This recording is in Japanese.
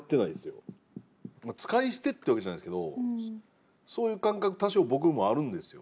使い捨てってわけじゃないですけどそういう感覚多少僕もあるんですよ。